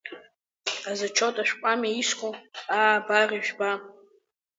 Азачот ашәҟәами иску, аа, абар ижәба!